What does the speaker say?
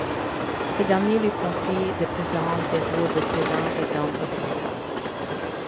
Ce dernier lui confie de préférence des rôles de pédant et d'homme autoritaire.